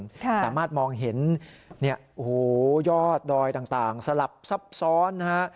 สามารถมองเห็นโยดดอยต่างสลับซับซ้อนนะฮะ